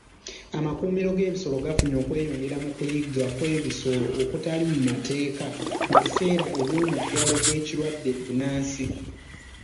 Amakuumiro g'ebisolo gafunye okweyongera mu kuyigga kw'ebisolo okutali mu mateeka mu biseera by'omuggalo gw'ekirwadde bbunansi.